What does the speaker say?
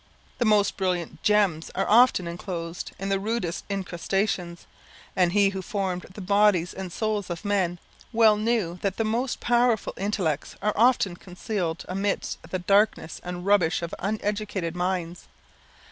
The most brilliant gems are often enclosed in the rudest incrustations; and He who formed the bodies and souls of men, well knew that the most powerful intellects are often concealed amidst the darkness and rubbish of uneducated minds.